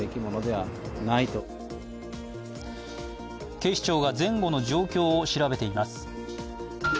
警視庁は前後の状況を調べています。